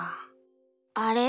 あれ？